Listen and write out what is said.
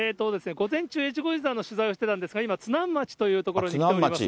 午前中、越後湯沢の取材をしてたんですが、今津南町という所に来ております。